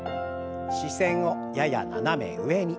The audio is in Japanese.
視線をやや斜め上に。